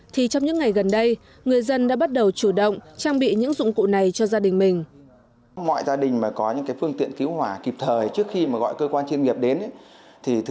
thì trong những ngày gần đây người dân đã bắt đầu chủ động trang bị những dụng cụ này cho gia đình mình